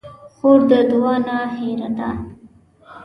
خور د دعا نه هېره نه ده.